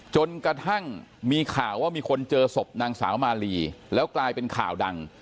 จนกระทั่งมีข่าวว่ามีคนเจอศพนางสาวมาลีแล้วกลายเป็นข่าวดัง